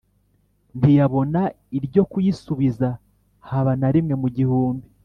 ntiyabona iryo kuyisubiza haba na rimwe mu gihumbi